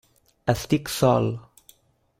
Estic sol.